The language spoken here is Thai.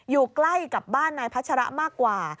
อยู่ใกล้กับบ้านนายพัชระมากกว่า